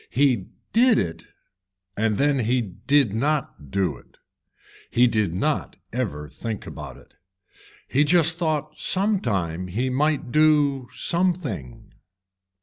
He did it and then he did not do it, he did not ever think about it. He just thought some time he might do something.